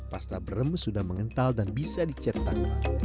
pasta brem sudah mengental dan bisa dicetak